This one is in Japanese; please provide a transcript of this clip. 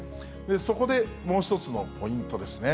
そこでもう一つのポイントですね。